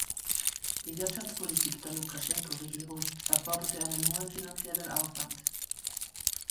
Die Wirtschaftspolitik der Lukaschenka-Regierung erforderte einen hohen finanziellen Aufwand.